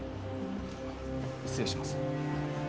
失礼します。